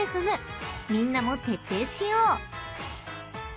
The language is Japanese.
［みんなも徹底しよう］